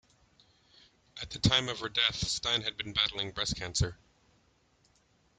At the time of her death Stein had been battling breast cancer.